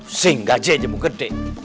pusing gaji aja mau gede